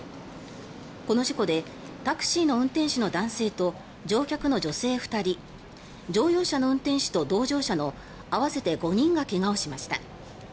この事故でタクシーの運転手の男性と乗客の女性２人乗用車の運転手と同乗者の合わせて５人が怪我をしました。